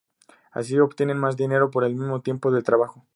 Así obtienen más dinero por el mismo tiempo de trabajo".